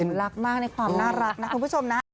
รักมากในความน่ารักนะคุณผู้ชมนะ